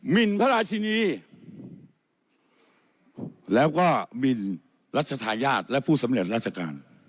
มินพระราชินีแล้วก็หมินรัชธาญาติและผู้สำเร็จราชการ